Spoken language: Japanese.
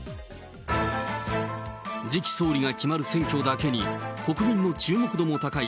次期総理が決まる選挙だけに、国民の注目度も高い